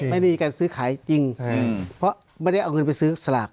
ไม่ได้มีการซื้อขายจริงเพราะไม่ได้เอาเงินไปซื้อสลาก